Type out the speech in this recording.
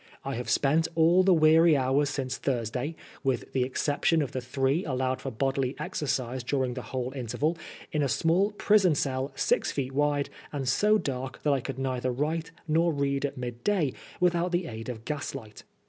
I have spent all the weary hours since Thursday, with the exception of the three allowed for bodily exercise during the whole interval, in a small prison cell six feet wide, and so dark that 1 could neither write nor read at midday without the aid of gaslight.